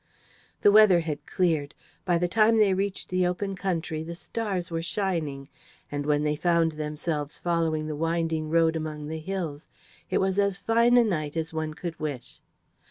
The weather had cleared. By the time they reached the open country the stars were shining, and when they found themselves following the winding road among the hills it was as fine a night as one could wish.